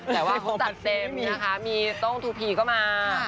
แต่ว่าเขาจัดเต็มนะคะมีต้องทูพีก็มา